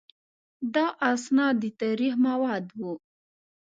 دا اسناد د تاریخ مواد وو.